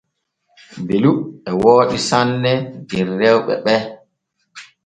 Belu e wooɗi sanne der rewɓe ɓe.